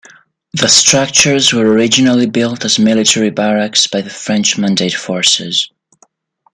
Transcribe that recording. The structures were originally built as military barracks by the French Mandate forces.